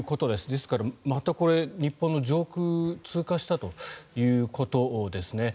ですから、またこれ日本の上空を通過したということですね。